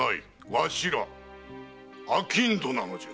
わしら商人なのじゃ。